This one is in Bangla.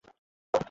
তোমরা কি তিনজন?